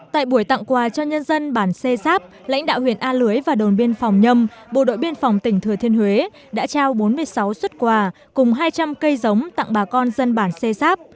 tại buổi tặng quà cho nhân dân bản xê xáp lãnh đạo huyện a lưới và đồn biên phòng nhâm bộ đội biên phòng tỉnh thừa thiên huế đã trao bốn mươi sáu xuất quà cùng hai trăm linh cây giống tặng bà con dân bản xê xáp